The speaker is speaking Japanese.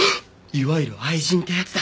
いわゆる愛人ってやつだ。